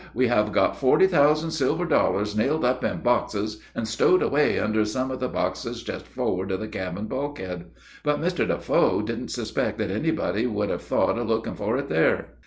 We have got forty thousand silver dollars nailed up in boxes and stowed away under some of the boxes just forward of the cabin bulkhead, but Mr. Defoe didn't suspect that any body would have thought of looking for it there."